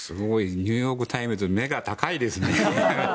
ニューヨーク・タイムズお目が高いですね。